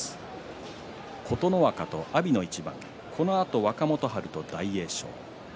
琴ノ若と阿炎の一番このあと若元春と大栄翔。